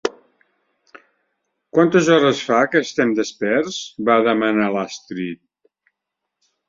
Quantes hores fa que estem desperts? —va demanar l'Astrid.